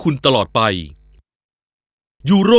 นี่มัน